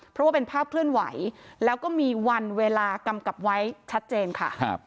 เพราะว่าเป็นภาพเคลื่อนไหวแล้วก็มีวันเวลากำกับไว้ชัดเจนค่ะ